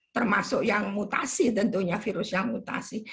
termasuk yang mutasi tentunya virus yang mutasi